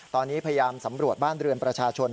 ตอนนี้พยายามสำรวจบ้านเรือนประชาชน